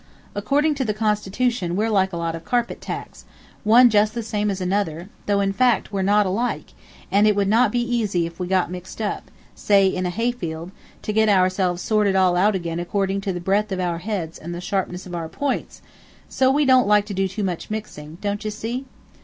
According to the Constitution we're like a lot of carpet tacks, one just the same as another, though in fact we're not alike, and it would not be easy if we got mixed up, say in a hayfield, to get ourselves all sorted out again according to the breadth of our heads and the sharpness of our points, so we don't like to do too much mixing, don't you see?"